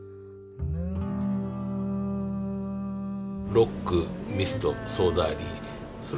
ロックミストソーダ割り。